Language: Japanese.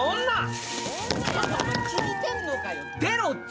女！